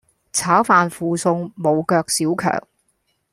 炒飯附送無腳小强